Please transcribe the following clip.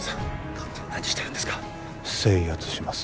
勝手に何してるんですか制圧します